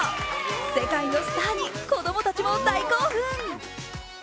世界のスターに子供たちも大興奮。